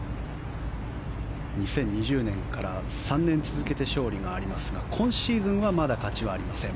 ２０２０年から３年続けて勝利がありますが今シーズンはまだ勝ちはありません。